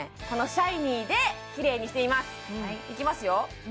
このシャイニーできれいにしてみますいきますよ